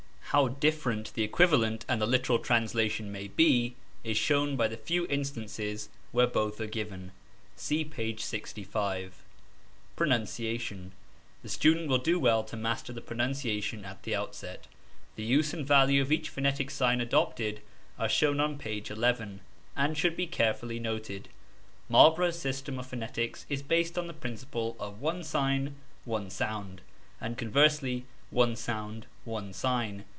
How different the equivalent and the literal translation may be is shown by the few instances where both are given. (See p. 65.) Pronunciation. The student will do well to master the pronunciation at the outset. The use and value of each phonetic sign adopted are shown on page 11, and should be carefully noted. Marlborough's system of phonetics is based on the principle of one sign, one sound, and conversely, one sound, one sign.